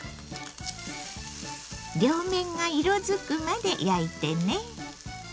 両面が色づくまで焼いてね。